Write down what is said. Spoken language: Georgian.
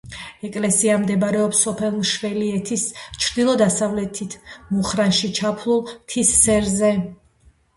ეკლესია მდებარეობს სოფელ მშველიეთის ჩრდილო-დასავლეთით მუხნარში ჩაფლულ მთის სერზე.